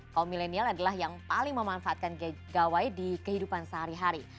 kaum milenial adalah yang paling memanfaatkan gawai di kehidupan sehari hari